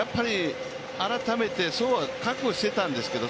改めてそうは覚悟していたんですけど、